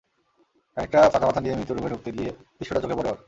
খানিকটা ফাঁকা মাথা নিয়েই মিতুর রুমে ঢুকতে গিয়ে দৃশ্যটা চোখে পরে ওর।